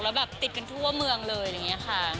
แล้วแบบติดกันทั่วเมืองเลยอะไรอย่างนี้ค่ะ